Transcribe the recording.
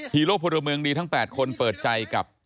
โลพลเมืองดีทั้ง๘คนเปิดใจกับ